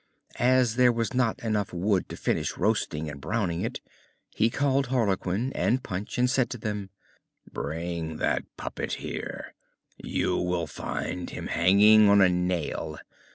As there was not enough wood to finish roasting and browning it, he called Harlequin and Punch, and said to them: "Bring that puppet here: you will find him hanging on a nail.